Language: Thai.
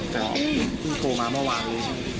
แต่พี่โทรมาเมื่อวานเลย